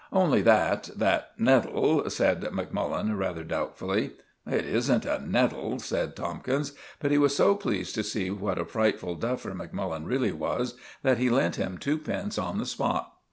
"Only that—that nettle," said Macmullen rather doubtfully. "It isn't a nettle," said Tomkins. But he was so pleased to see what a frightful duffer Macmullen really was, that he lent him twopence on the spot.